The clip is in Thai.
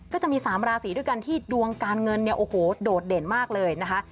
ก็จะมี๓ราศีด้วยกันที่ดวงการเงินเนี่ยโอ้โหโดดเด่นมากเลยนะคะ